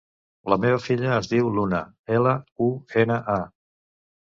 La meva filla es diu Luna: ela, u, ena, a.